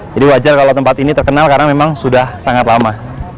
jadi wajar kalau tempat ini terkenal karena memang sudah sangat lama